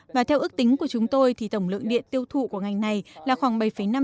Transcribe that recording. và theo ước tính của chúng tôi thì tổng lượng điện tiêu thụ của các doanh nghiệp việt nam